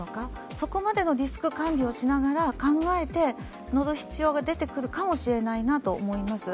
そこまでのリスク管理をしながら考えて、乗る必要が出てくるかもしれないと思います。